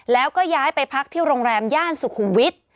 แล้วก็ย้ายไปพักที่โรงแรมย่านสุขุมวิทย์